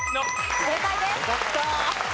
正解です。